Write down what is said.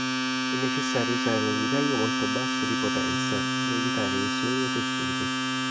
È necessario usare un livello molto basso di potenza per evitare lesioni ai tessuti.